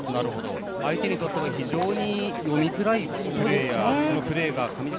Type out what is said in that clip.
相手にとっては非常に読みづらいプレーをはい。